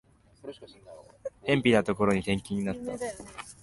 辺ぴなところに転勤になった